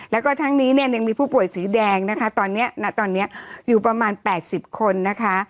แล้วก็ทั้งนี้เนี่ยยังมีผู้ป่วยสีแดงนะคะตอนนี้ณตอนนี้อยู่ประมาณ๘๐คนนะคะ